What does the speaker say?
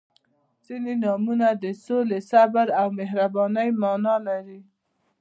• ځینې نومونه د سولې، صبر او مهربانۍ معنا لري.